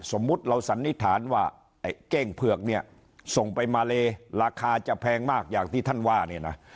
สมมุติเราสันนิษฐานว่าเก้งเผือกส่งไปมาเลราคาจะแพงมากอย่างที่ท่านว่า